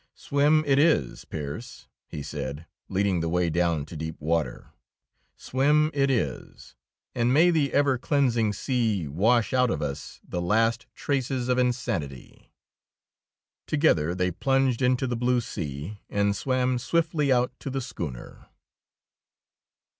"Swim it is, Pearse," he said, leading the way down to deep water. "Swim it is, and may the ever cleansing sea wash out of us the last traces of insanity." Together they plunged into the blue sea and swam swiftly out to the schooner.